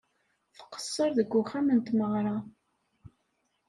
Tqeṣṣer deg uxxam n tmeɣṛa.